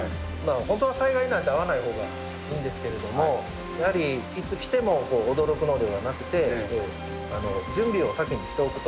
本当は災害なんて遭わないほうがいいんですけれども、やはり、いつ来ても驚くのではなくて、準備を先にしておくと。